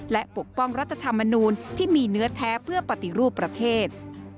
และปกป้องรัฐธรรมนูลที่มีเนื้อแท้เพื่อปฏิรูปประเทศ